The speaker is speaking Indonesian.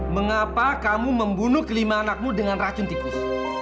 mengapa kamu membunuh kelima anakmu dengan racun tipis